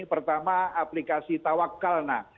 pertama aplikasi tawakkalna